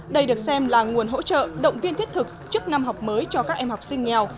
đây được xem là nguồn hỗ trợ động viên thiết thực trước năm học mới cho các em học sinh nghèo